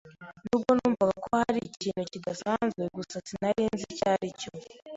Nubwo numvaga ko hari ikintu kidasanzwe, gusa sinari nzi icyo aricyo.